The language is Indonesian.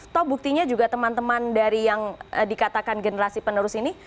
toh buktinya juga teman teman dari yang dikatakan generasi penerus ini